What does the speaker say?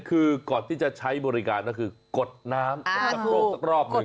คือก่อนที่จะใช้บริการก็คือกดน้ำสะโครกสักรอบหนึ่ง